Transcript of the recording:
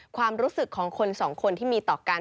ความรู้สึกของคนสองคนที่มีต่อกัน